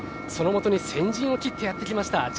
そのもとに先陣を切ってやってきました